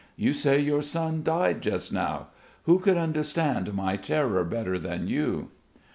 You say your son died just now. Who could understand my terror better than you?"